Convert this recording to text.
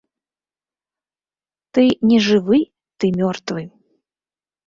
Ты не жывы, ты мёртвы.